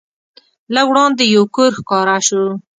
لږ وړاندې یو کور ښکاره شو.